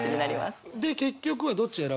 で結局はどっち選ぶんですか？